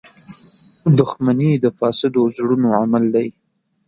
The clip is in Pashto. • دښمني د فاسدو زړونو عمل دی.